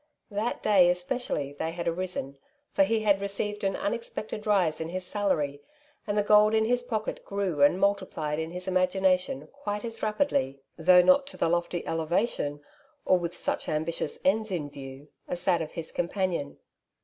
That day especially they had arisen, for he had received an unexpected rise in his salary, and the gold in his pocket grew and multiplied in his imagination quite as rapidly, though not to the lofty elevation or with such ambitious ends in view, as that of his companion.